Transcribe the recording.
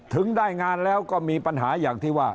ถึงได้งานแล้วก็มีปัญหาอย่างที่ว่า